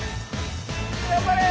・頑張れ！